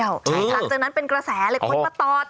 จากจากนั้นเป็นกระแสเลยเขาเอาไปตอด